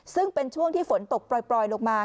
ซึ่งเป็นช่วงที่ฝนตกปล่อยลงมา